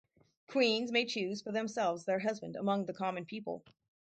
Queens may choose for themselves their husband among the common people.